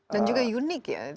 dan juga unik ya